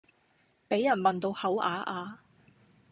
比人問到口啞啞